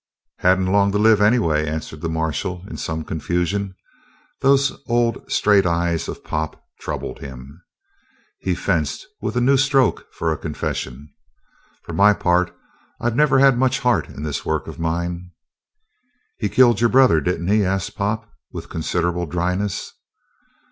"He hadn't long to live, anyway," answered the marshal in some confusion. Those old, straight eyes of Pop troubled him. He fenced with a new stroke for a confession. "For my part, I've never had much heart in this work of mine." "He killed your brother, didn't he?" asked Pop with considerable dryness.